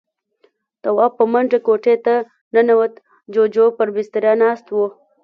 تواب په منډه کوټې ته ننوت. جُوجُو پر بستره ناست و.